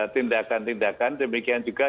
tindakan tindakan demikian juga